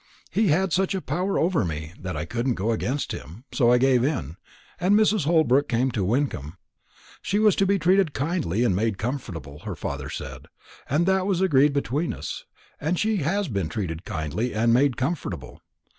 He had such a power over me that I couldn't go against him; so I gave in, and Mrs. Holbrook came to Wyncomb. She was to be treated kindly and made comfortable, her father said; that was agreed between us; and she has been treated kindly and made comfortable.